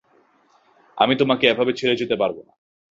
আমি তোমাকে এভাবে ছেড়ে যেতে পারবো না।